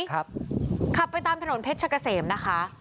ขับไปตามถนนเพชรกะเสมนะคะ